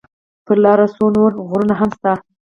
پر لاره څو نور غرونه هم شته.